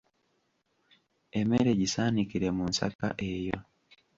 Emmere gisaaniikire mu nsaka eyo.